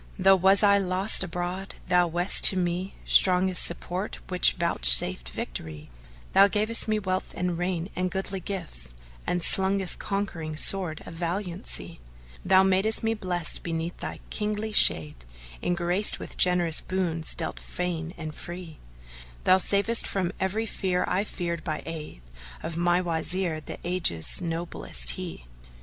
Though was I lost abroad, Thou west to me * Strongest support which vouchsafed victory: Thou gav'st me wealth and reign and goodly gifts, * And slungest con quering sword of valiancy: Thou mad'st me blest beneath Thy kingly shade, * Engraced with generous boons dealt fain and free: Thou savedst *from every fear I feared, by aid * Of my Wazir, the Age's noblest he!